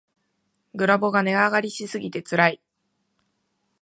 グラボが値上がりしすぎてつらい